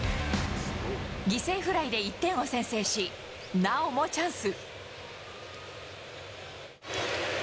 犠牲フライで１点を先制し、なおもチャンス。